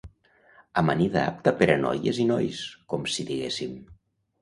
Amanida apta per a noies i nois, com si diguéssim.